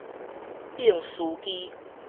釘書機